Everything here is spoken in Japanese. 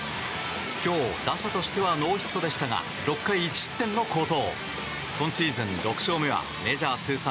今日、打者としてはノーヒットでしたが６回１失点の好投。